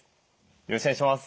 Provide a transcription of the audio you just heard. よろしくお願いします。